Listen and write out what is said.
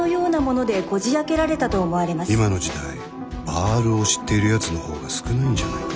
今の時代「バール」を知っているやつの方が少ないんじゃないか？